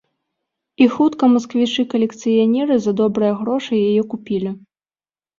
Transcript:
І хутка масквічы-калекцыянеры за добрыя грошы яе купілі.